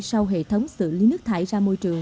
sau hệ thống xử lý nước thải ra môi trường